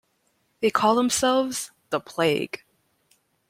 They called themselves The Plague.